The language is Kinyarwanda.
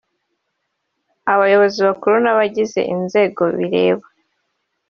abayobozi bakuru n’abagize izi nzego bireba